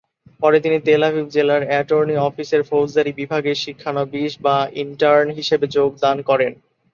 পরে তিনি Tel Aviv জেলার অ্যাটর্নি অফিসের ফৌজদারি বিভাগে শিক্ষানবিশ বা ইন্টার্ন হিসেবে যোগদান করেন।